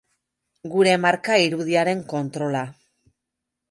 Gure marka irudiaren kontrola.